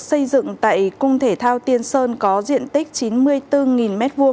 xây dựng tại cung thể thao tiên sơn có diện tích chín mươi bốn m hai